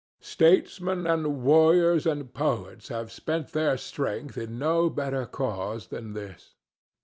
Statesmen and warriors and poets have spent their strength in no better cause than this.